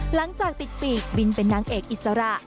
หลังจากติดปีกบินเป็นนางเอกอิสระ